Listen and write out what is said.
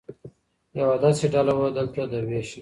يوه داسي ډله وه دلته دروېشه !